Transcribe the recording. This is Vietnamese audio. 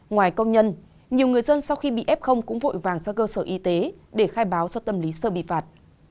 ngoài công nhân nhiều người dân sau khi bị ép không cũng vội vàng ra cơ sở y tế để khai báo cho tâm lý sơ bị phạt